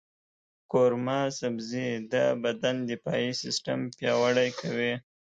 قورمه سبزي د بدن دفاعي سیستم پیاوړی کوي.